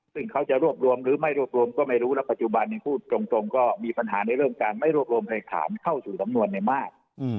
ซึ่งเขาจะรวบรวมหรือไม่รวบรวมก็ไม่รู้แล้วปัจจุบันยังพูดตรงก็มีปัญหาในเรื่องการไม่รวบรวมหลักฐานเข้าสู่สำนวนในมาก